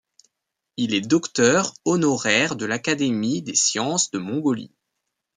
Il est docteur honoraire de l'Académie des sciences de Mongolie.